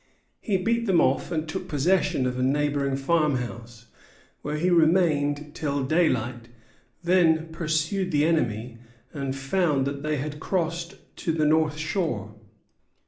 He beat them off, and took possession of a neighboring farmhouse, where he remained till daylight; then pursued the enemy, and found that they had crossed to the north shore.